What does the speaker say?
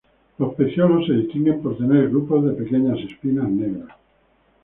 Los pecíolos se distinguen por tener grupos de pequeñas espinas negras.